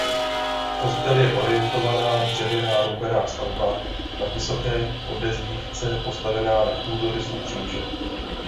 Kostel je orientovaná dřevěná roubená stavba na vysoké podezdívce postavená na půdorysu kříže.